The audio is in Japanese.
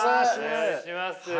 お願いします。